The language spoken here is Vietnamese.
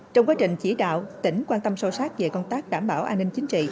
trong quá trình chỉ đạo tỉnh quan tâm sâu sát về công tác đảm bảo an ninh chính trị